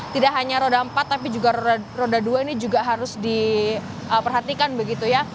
tidak hanya roda empat tapi juga roda dua ini juga harus diperhatikan begitu ya